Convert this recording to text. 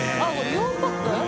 ４パック？